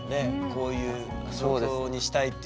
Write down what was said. こういう状況にしたいっていうのは。